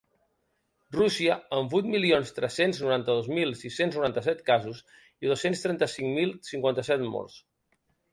Rússia, amb vuit milions tres-cents noranta-dos mil sis-cents noranta-set casos i dos-cents trenta-cinc mil cinquanta-set morts.